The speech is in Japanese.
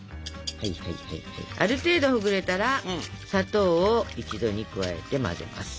ある程度ほぐれたら砂糖を一度に加えて混ぜます。